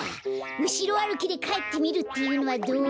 うしろあるきでかえってみるっていうのはどう？